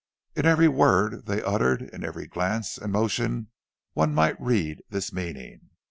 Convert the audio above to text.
In every word they uttered, in every glance and motion, one might read this meaning.